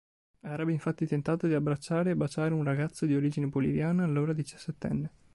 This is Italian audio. Avrebbe infatti tentato di abbracciare e baciare un ragazzo di origine boliviana allora diciassettenne.